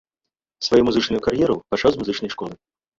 Сваю музычную кар'еру пачаў з музычнай школы.